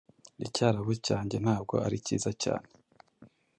Icyarabu cyanjye ntabwo ari cyiza cyane